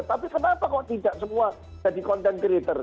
tapi kenapa kok tidak semua jadi content creator